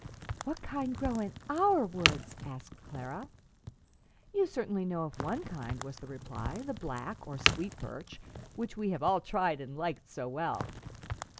"What kind grow in our woods?" asked Clara. "You certainly know of one kind," was the reply "the black, or sweet, birch, which we have all tried and like so well.